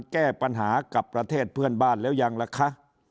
แก้ปัญหากับประเทศเพื่อนบ้านแล้วยังล่ะคะ